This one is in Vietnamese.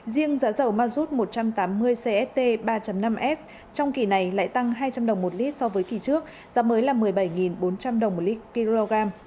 riêng giá dầu mazut một trăm tám mươi cst ba năm s trong kỳ này lại tăng hai trăm linh đồng một lít so với kỳ trước giá mới là một mươi bảy bốn trăm linh đồng một lít kg